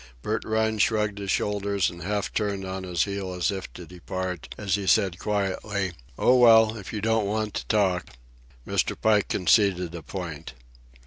Bert Rhine shrugged his shoulders, and half turned on his heel as if to depart, as he said quietly: "Oh, well, if you don't want to talk ..." Mr. Pike conceded a point.